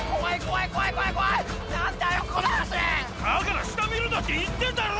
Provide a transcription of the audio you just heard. だから下見るなって言ってんだろ！